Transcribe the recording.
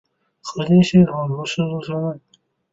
合金系统由数字系统分类。